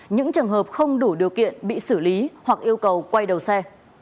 những trường hợp không đủ điều kiện bị xử lý hoặc yêu cầu quay đầu xe